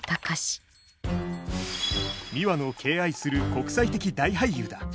ミワの敬愛する国際的大俳優だ。